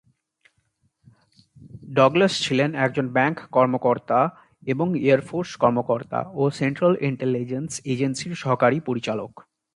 Douglas ছিলেন একজন bank কর্মকর্তা এবং এয়ার ফোর্স কর্মকর্তা ও সেন্ট্রাল ইন্টেলিজেন্স এজেন্সির সহকারী পরিচালক।